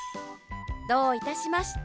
どういたしまして。